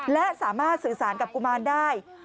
และสามารถสื่อสารกับกุมารได้